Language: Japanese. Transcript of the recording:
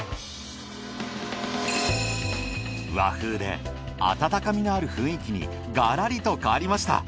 和風で温かみのある雰囲気にがらりと変わりました。